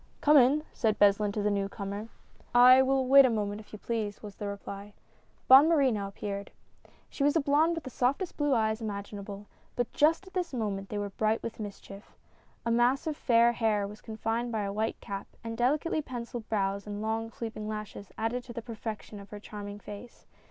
" Come in !" said Beslin to the new comer. " I will wait a moment if you please," was the reply. Bonne Marie now appeared. She was a blonde with the softest blue eyes imagina ble, but just at this moment they were bright with mischief. A mass of fair hair was confined by a white cap, and delicately penciled brows and long sweeping lashes added to the perfection of her charming face.